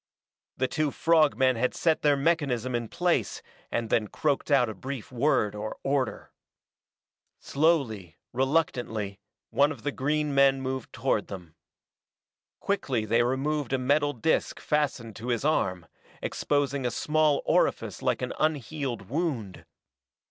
The two frog men had set their mechanism in place and then croaked out a brief word or order. Slowly, reluctantly, one of the green men moved toward them. Quickly they removed a metal disk fastened to his arm, exposing a small orifice like an unhealed wound.